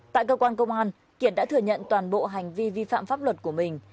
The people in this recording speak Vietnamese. tại cơ quan công an kiệt đã thừa nhận toàn bộ hành vi vi phạm pháp luật của mình